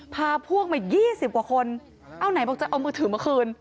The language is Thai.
พาพวกมา๒๐กว่าคนเอาไหนบอกจะเอามือถือมาคืน